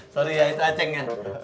sorry ya itu acengnya